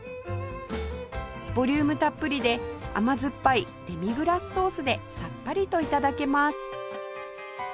ボリュームたっぷりで甘酸っぱいデミグラスソースでさっぱりと頂けます